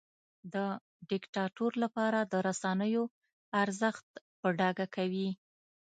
د دیکتاتور لپاره د رسنیو ارزښت په ډاګه کوي.